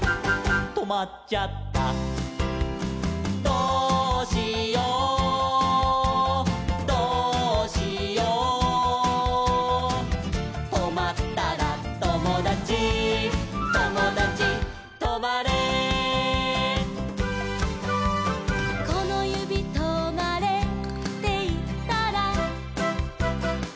「どうしようどうしよう」「とまったらともだちともだちとまれ」「このゆびとまれっていったら」